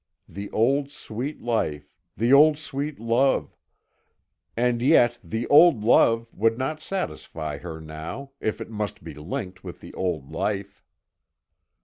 The old sweet life, the old sweet love and yet, the old love would not satisfy her now, if it must be linked with the old life.